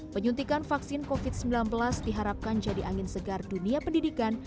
penyuntikan vaksin covid sembilan belas diharapkan jadi angin segar dunia pendidikan